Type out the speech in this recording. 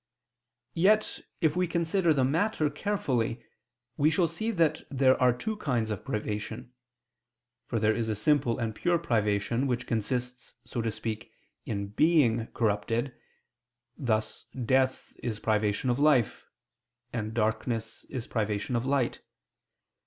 Yet, if we consider the matter carefully, we shall see that there are two kinds of privation. For there is a simple and pure privation, which consists, so to speak, in being corrupted; thus death is privation of life, and darkness is privation of light.